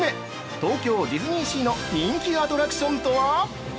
東京ディズニーシーの人気アトラクションとは？